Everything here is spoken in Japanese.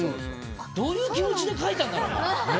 どういう気持ちで書いたんだろう。